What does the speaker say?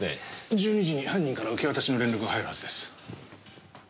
１２時に犯人から受け渡しの連絡が入るはずです。